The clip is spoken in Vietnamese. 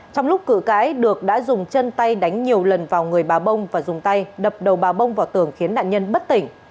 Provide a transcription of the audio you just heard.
trong lúc cự cãi được đã dùng chân tay đánh nhiều lần vào người bà bông và dùng tay đập đầu bà bông vào tường khiến nạn nhân bất tỉnh